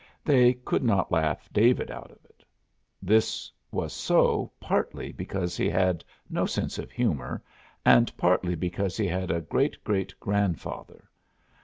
They could not laugh David out of it. This was so, partly because he had no sense of humor, and partly because he had a great great grandfather.